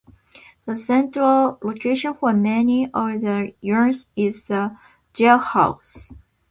The central location for many of the yarns is the Jailhouse.